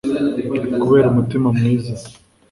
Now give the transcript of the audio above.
kubera umutima mwiza